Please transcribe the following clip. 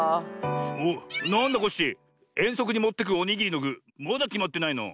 おっなんだコッシーえんそくにもってくおにぎりのぐまだきまってないの？